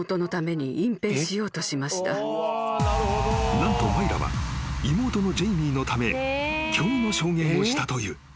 ［何とマイラは妹のジェイミーのため虚偽の証言をしたという。